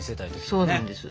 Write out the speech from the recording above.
そうなんです。